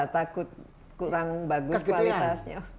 takut kurang bagus kualitasnya